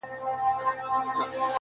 چي په برخه به د هر سړي قدرت سو!!